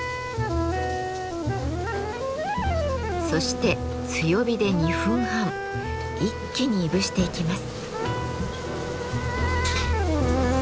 そして強火で２分半一気にいぶしていきます。